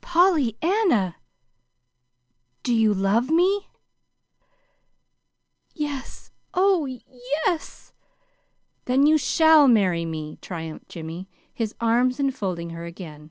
"Pollyanna, do you love me?" "Yes. Oh, y yes." "Then you shall marry me," triumphed Jimmy, his arms enfolding her again.